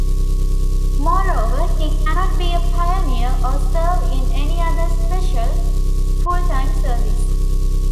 Moreover, he cannot be a pioneer or serve in any other special, full-time service.